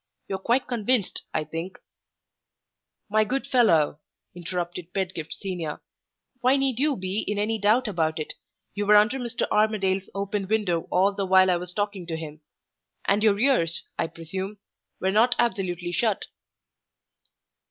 You are quite convinced, I think " "My good fellow," interrupted Pedgift Senior, "why need you be in any doubt about it? You were under Mr. Armadale's open window all the while I was talking to him; and your ears, I presume, were not absolutely shut."